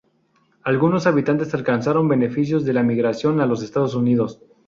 Algunos habitantes alcanzaron beneficios de la migración a los Estados Unidos.